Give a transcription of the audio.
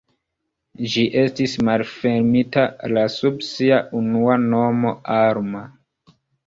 Ĝi estis malfermita la sub sia unua nomo Alma.